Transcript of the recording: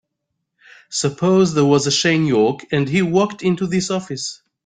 Suppose there was a Shane York and he walked into this office.